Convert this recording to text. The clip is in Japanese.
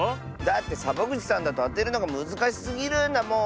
だってサボぐちさんだとあてるのがむずかしすぎるんだもん。